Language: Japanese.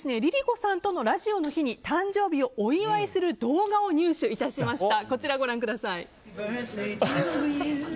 ＬｉＬｉＣｏさんとのラジオの日に誕生日をお祝いする動画を入手致しました。